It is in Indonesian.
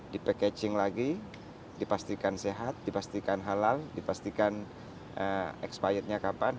dipackaging lagi dipastikan sehat dipastikan halal dipastikan expired nya kapan